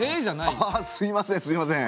あすいませんすいません。